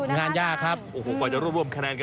งานยากอยู่นะครับครับโอ้โหก่อนจะร่วมคะแนนกันมา